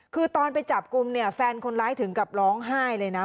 คือตอนไปจับกลุ่มเนี่ยแฟนคนร้ายถึงกับร้องไห้เลยนะ